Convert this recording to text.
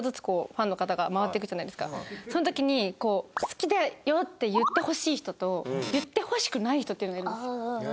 その時に「好きだよ」って言ってほしい人と言ってほしくない人っていうのがいるんですよ。